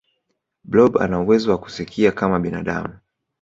blob anauwezo wa kusikia kama binadamu